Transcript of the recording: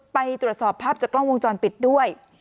ไปตรวจสอบภาพจากกล้องวงจรปิดด้วย